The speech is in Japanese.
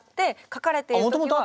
書かれている時は。